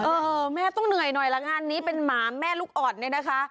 เออแม่ต้องเหนื่อยหน่อยละงานนี้เป็นหมาแม่ลูกอ่อนเนี่ยนะคะ